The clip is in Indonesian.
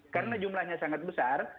karena jumlahnya sangat besar